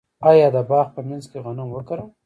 آیا د باغ په منځ کې غنم وکرم؟